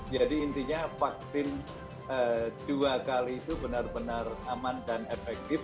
jadi intinya vaksin dua kali itu benar benar aman dan efektif